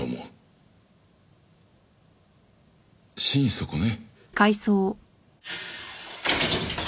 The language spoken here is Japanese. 心底ね。